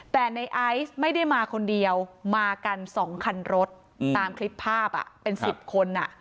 แต่ในไอซ์ไม่ได้มาคนเดียวมากัน๒คันรถตามคลิปภาพเป็น๑๐คน